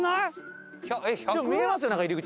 でも見えますよなんか入り口